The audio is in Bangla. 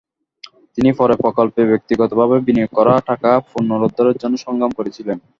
তিনি পরে প্রকল্পে ব্যক্তিগতভাবে বিনিয়োগ করা টাকা পুনরুদ্ধারের জন্য সংগ্রাম করেছিলেন।